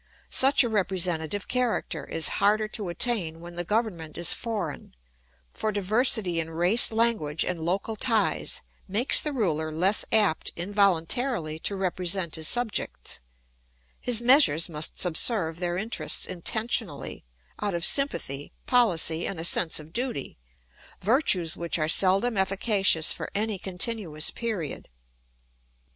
Such a representative character is harder to attain when the government is foreign, for diversity in race language and local ties makes the ruler less apt involuntarily to represent his subjects; his measures must subserve their interests intentionally, out of sympathy, policy, and a sense of duty, virtues which are seldom efficacious for any continuous period.